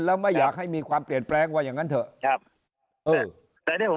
แล้วไม่อยากให้มีความเปลี่ยนแพรงว่าอย่างนั่นเถอะครับเออแต่นี่ผม